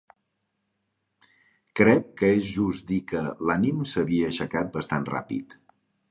Crec que és just dir que l'ànim s'havia aixecat bastant ràpid.